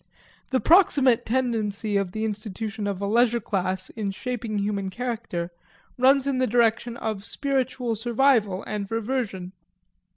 The proximate tendency of the institution of a leisure class in shaping human character runs in the direction of spiritual survival and reversion.